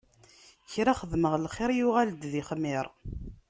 Kra xedmeɣ n lxiṛ, yuɣal-d d ixmiṛ.